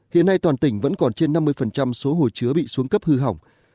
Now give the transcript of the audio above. hiện nay toàn tỉnh vẫn còn trên năm mươi số hồ chứa bị xuống cấp hư hỏng